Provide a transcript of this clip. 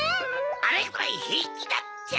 あれくらいへいきだっちゃ。